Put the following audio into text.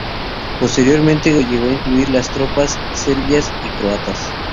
Posteriormente llegó a incluir las tropas serbias y croatas.